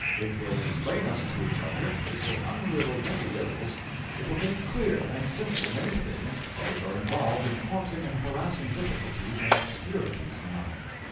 It will explain us to each other, it will unriddle many riddles, it will make clear and simple many things which are involved in haunting and harassing difficulties and obscurities now.